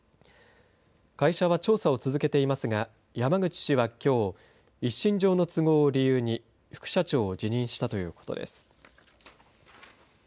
会社は調査を続けていますが山口氏はきょう一身上の都合を理由に副社長を辞任したということです。